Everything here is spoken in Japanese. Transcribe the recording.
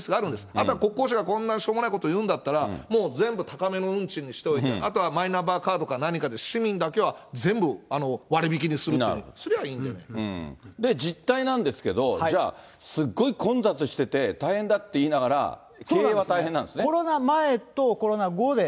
あとは国交省がこんなしょうもないこと言うんだったら、もう全部高めの運賃にしておいて、あとはマイナンバーカードか何かで市民だけは全部割引きにすると実態なんですけど、じゃあ、すっごい混雑してて大変だっていいながら、経営は大変なんですね。